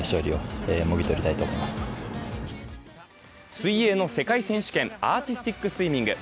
水泳の世界選手権、アーティスティックスイミング。